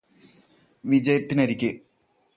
വിജയത്തിനരികെ